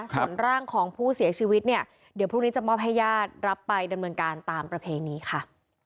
ส่วนร่างของผู้เสียชีวิตเนี่ยเดี๋ยวพรุ่งนี้จะมอบให้ญาติรับไปดำเนินการตามประเพณีค่ะ